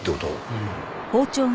うん。